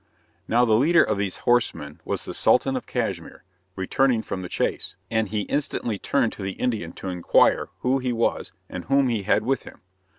Now the leader of these horsemen was the Sultan of Cashmere, returning from the chase, and he instantly turned to the Indian to inquire who he was, and whom he had with him.